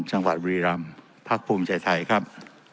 จังหวัดบุรีรัมป์ภักดิ์ภูมิชัยไทยครับ